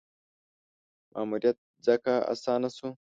ماموریت ځکه اسانه شو.